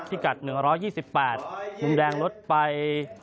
กัด๑๒๘มุมแดงลดไป